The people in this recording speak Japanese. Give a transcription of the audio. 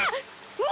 うわ‼